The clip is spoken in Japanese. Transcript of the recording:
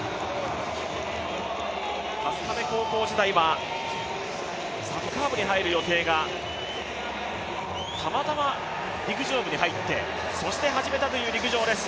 春日部高校時代はサッカー部に入る予定がたまたま陸上部に入ってそして始めたという陸上です。